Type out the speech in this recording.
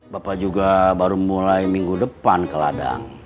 bapak juga baru mulai minggu depan ke ladang